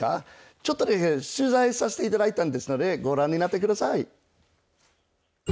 ちょっと取材させていただいたんですのでご覧になってください。